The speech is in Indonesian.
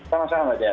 sama sama bapak jaya